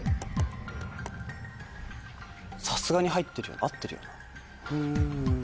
さすがに入ってる合ってるよな？